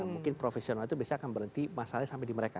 mungkin profesional itu biasanya akan berhenti masalahnya sampai di mereka